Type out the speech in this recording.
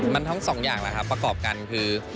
มันทั้งสองอย่างแล้วครับประกอบกันคือ